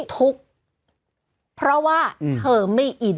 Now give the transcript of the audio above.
ทุกข์เพราะว่าเธอไม่อิน